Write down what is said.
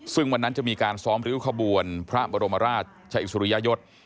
ซึ่งวันนั้นจะมีการซ้อมริ้วขบวนพระบรมราชอิสริยยศ